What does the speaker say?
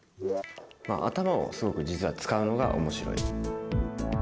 まあ頭をすごく実は使うのが面白い。